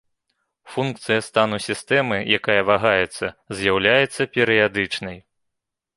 Функцыя стану сістэмы, якая вагаецца, з'яўляецца перыядычнай.